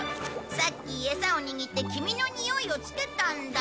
さっきえさを握ってキミのにおいをつけたんだ。